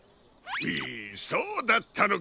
そうだったのか！